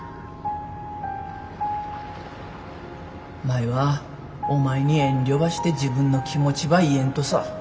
舞はお前に遠慮ばして自分の気持ちば言えんとさ。